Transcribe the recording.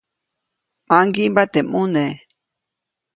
ʼMaŋgiʼmba teʼ ʼmune.